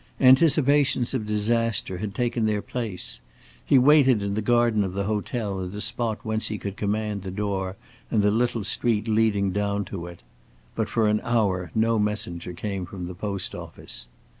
Anticipations of disaster had taken their place. He waited in the garden of the hotel at a spot whence he could command the door and the little street leading down to it. But for an hour no messenger came from the post office.